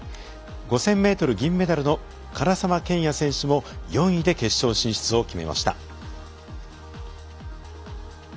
５０００ｍ銀メダルの唐澤剣也選手も４位で決勝進出を決めました。